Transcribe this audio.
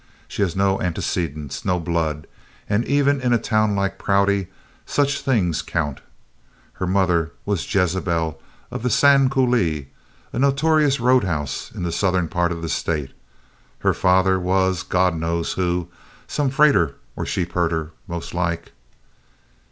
She has no antecedents, no blood, and even in a town like Prouty such things count. Her mother was Jezebel of the Sand Coulee, a notorious roadhouse in the southern part of the state; her father was God knows who some freighter or sheepherder, most like."